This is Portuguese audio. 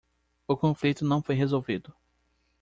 O conflito não foi resolvido.